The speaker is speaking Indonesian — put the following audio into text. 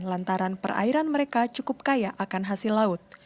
lantaran perairan mereka cukup kaya akan hasil laut